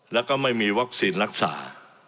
แล้วก็ไม่มีวัคซีนรักษา